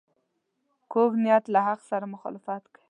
کوږ نیت له حق سره مخالفت کوي